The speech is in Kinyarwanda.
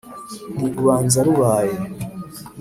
nti: “ubanza rubaye”